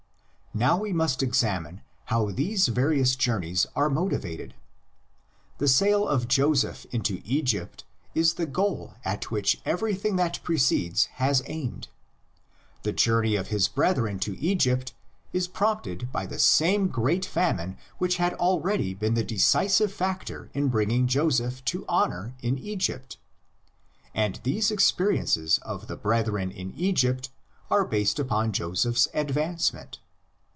Now we must examine how these various journeys are motivated. The sale of Joseph into Egypt is the goal at which everything that precedes has aimed. The journey of his brethren to' Egypt is prompted by the same great famine which had already been the decisive factor in bringing Joseph to honor in Egypt. And the experiences of the brethren in Egypt are based upon Joseph's advancement.